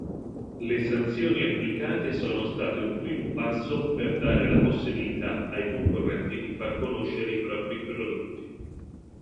Le sanzioni applicate sono state un primo passo per dare la possibilità ai concorrenti di far conoscere i propri prodotti.